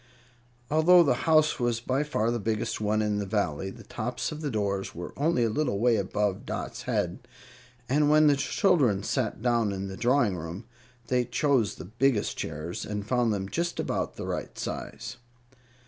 Although the house was by far the biggest one in the Valley, the tops of the doors were only a little way above Dot's head, and when the children sat down in the drawing room they chose the biggest chairs, and found them just about the right size.